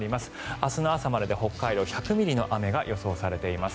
明日の朝までで北海道は１００ミリの雨が予想されています。